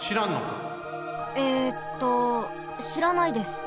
えっとしらないです。